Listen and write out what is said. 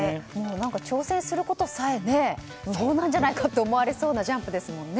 挑戦することさえね無謀なんじゃないかと思われそうなジャンプですもんね。